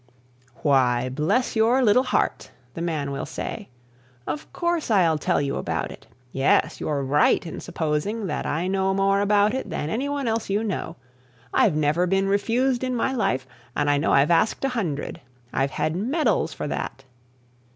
"Why, bless your little heart," the man will say, "of course I'll tell you about it. Yes, you're right in supposing that I know more about it than anyone else you know. I've never been refused in my life and I know I've asked a hundred. I've had medals for that.